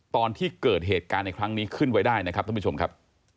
ตอนที่เกิดเหตุการณ์ในครั้งนี้ขึ้นไว้ได้นะครับท่านผู้ชมครับ